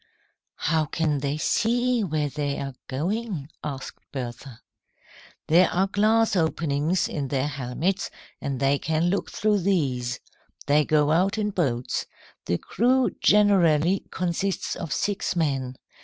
"How can they see where they are going?" asked Bertha. "There are glass openings in their helmets, and they can look through these. They go out in boats. The crew generally consists of six men.